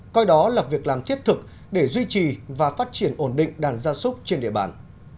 coi đó là việc làm thiết thực để duy trì và phát triển ổn định đàn gia súc trên địa bàn